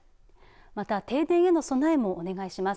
また、停電への備えもお願いします。